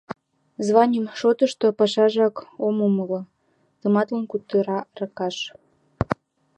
— Званий шотышто пешыжак ом умыло, — тыматлын кутыра Аркаш.